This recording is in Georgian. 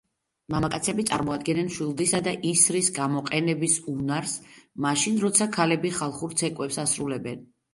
მამაკაცები წარმოადგენენ მშვილდისა და ისრის გამოყენების უნარს, მაშინ როცა ქალები ხალხურ ცეკვებს ასრულებენ.